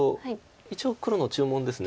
一応黒の注文です